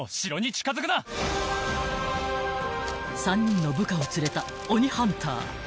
［３人の部下を連れた鬼ハンター］